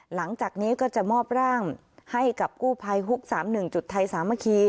หลังจากนี้ก็จะมอบร่างให้กับกู้ภัยฮุก๓๑๓มค